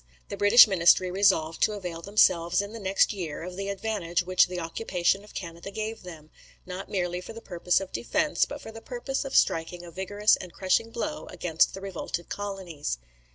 The British ministry resolved to avail themselves, in the next year, of the advantage which the occupation of Canada gave them, not merely for the purpose of defence, but for the purpose of striking a vigorous and crushing blow against the revolted colonies.